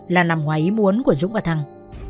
là nằm ngoài ý muốn của dũng và thăng